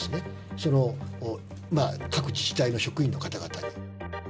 その各自治体の職員の方々に。